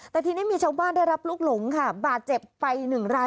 แต่ทีนี้มีชาวบ้านได้รับลูกหลงค่ะบาดเจ็บไปหนึ่งราย